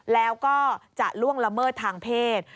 แล้วก็จะล่วงละเมิดทางเพศ